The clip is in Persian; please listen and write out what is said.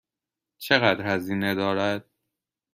چقدر هزینه دارد؟